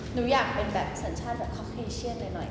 หนูอยากเป็นสัญชาติโคเคเชียนหน่อย